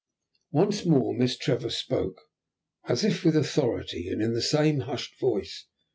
Once more Miss Trevor spoke as if with authority, and in the same hushed voice.